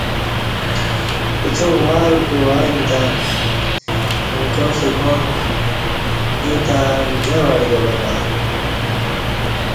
اچاک واروکو ائیم تہ امکیاں ستہ کاݨ ییں تہ نہ وڈگہ بہم بہ۔